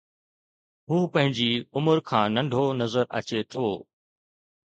هو پنهنجي عمر کان ننڍو نظر اچي ٿو